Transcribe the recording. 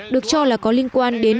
được cho là có liên quan đến